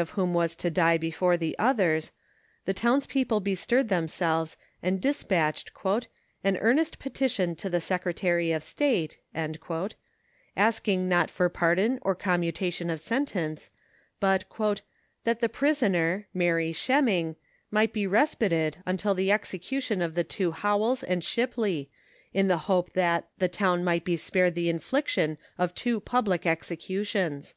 73 whom was to die before the others, the townspeople bestirred themselves and despatched "an earnest petition to the Secre tary of State," asking not for pardon or commutation of sentence, but " that the prisoner, Mary Sheming, might be respited until the execution of the two Howells and Shipley, in the hope that the town might he spared the infliction of two 'public executions.